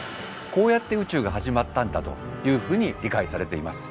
こうやって宇宙が始まったんだというふうに理解されています。